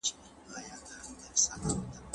تاريخي پېښې بايد په سمه توګه وڅېړل سي.